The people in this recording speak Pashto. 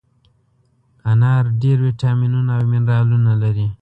انار ډېر ویټامینونه او منرالونه لري.